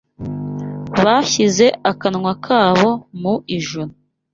Bashyize akanwa kabo mu ijuru